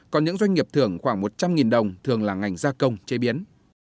còn những doanh nghiệp thưởng khoảng một trăm linh đồng thường là ngành gia công chế biến